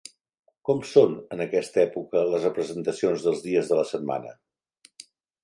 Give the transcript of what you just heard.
Com són en aquesta època les representacions dels dies de la setmana?